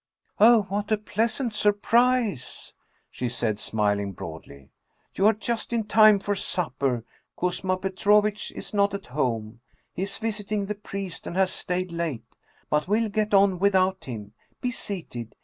" Oh, what a pleasant surprise !" she said, smiling broadly. " You are just in time for supper. Kuzma Petro vitch is not at home. He is visiting the priest, and has stayed late. But we'll get on without him! Be seated.